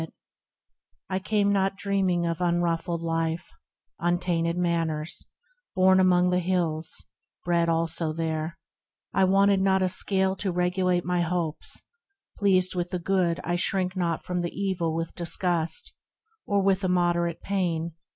24 THE RECLUSE I came not dreaming of unruffled life, Untainted manners ; born among the hills, Bred also there, I wanted not a scale To regulate my hopes ; pleased with the good I shrink not from the evil with disgust, Or with immoderate pain.